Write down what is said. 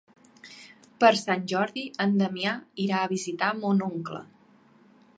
Per Sant Jordi en Damià irà a visitar mon oncle.